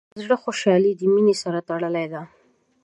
د زړۀ خوشحالي د مینې سره تړلې ده.